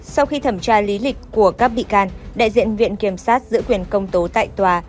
sau khi thẩm tra lý lịch của các bị can đại diện viện kiểm sát giữ quyền công tố tại tòa